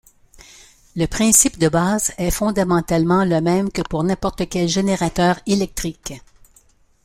Le principe de base est fondamentalement le même que pour n'importe quel générateur électrique.